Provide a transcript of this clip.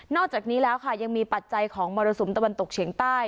อกจากนี้แล้วค่ะยังมีปัจจัยของมรสุมตะวันตกเฉียงใต้